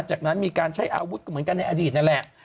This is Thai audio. จากนั้นมีการใช้อาวุธก็เหมือนกันในอดีตนั่นแหละ